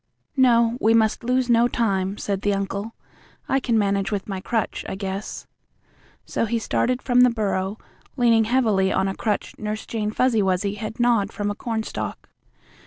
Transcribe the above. "No, we must lose no time," said the uncle. "I can manage with my crutch, I guess." So he started from the burrow, leaning heavily on a crutch Nurse Jane Fuzzy Wuzzy had gnawed from a cornstalk.